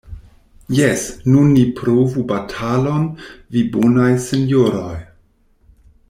Jes, nun ni provu batalon, vi bonaj sinjoroj!